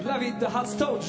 初登場！